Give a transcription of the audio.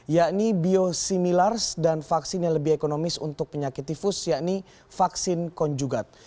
yakni biosimilars dan vaksin yang lebih ekonomis untuk penyakit tifus yakni vaksin konjugat